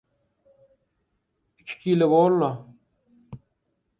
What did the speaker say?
– Iki kile bor-la?!